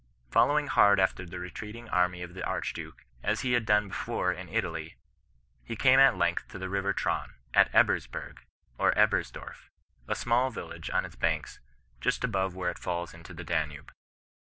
Following hard after the retreating army of the Archduke, as he had done before in Italy, he came at length to the river Traun, at Ebersberg, or Ebersdoif, a small village on its banks just above where it falls into the Danube.